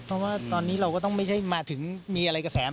เพราะว่าตอนนี้เราก็ต้องไม่ใช่มาถึงมีอะไรกระแส